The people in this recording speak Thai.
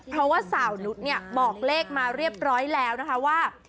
เพราะว่าสาวนุษย์เนี่ยบอกเลขมาเรียบร้อยแล้วนะคะว่า